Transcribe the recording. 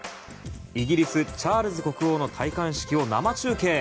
イギリス、チャールズ国王の戴冠式を生中継。